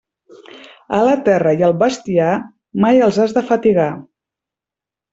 A la terra i al bestiar, mai els has de fatigar.